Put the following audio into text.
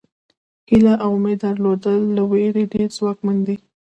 هیله او امید درلودل له وېرې ډېر ځواکمن دي.